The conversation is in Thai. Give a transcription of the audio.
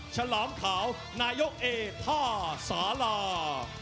ฉลามขาวนายกเอท่าสารา